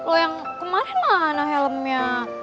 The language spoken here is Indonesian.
kalau yang kemarin mana helmnya